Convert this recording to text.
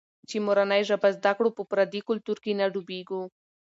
چي مورنۍ ژبه زده کړو، په پردي کلتور کې نه ډوبېږو.